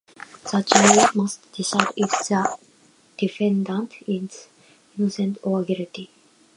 The jury must decide if the defendant is innocent or guilty.